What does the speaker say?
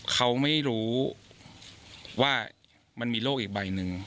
เขาไม่รู้ว่ามันมีโรคอีกใบหนึ่ง